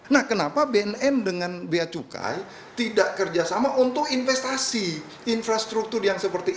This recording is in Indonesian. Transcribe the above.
nah kenapa bnn dengan biaya cukai tidak kerjasama untuk investasi infrastruktur yang seperti